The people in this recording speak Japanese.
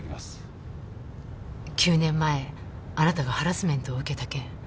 ９年前あなたがハラスメントを受けた件。